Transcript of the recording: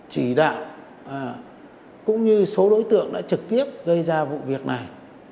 chỉ đạo cũng như số đối tượng đã trực tiếp gây ra vụ việc này